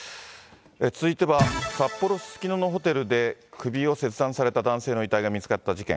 続いては、札幌・すすきののホテルで首を切断された男性の遺体が見つかった事件。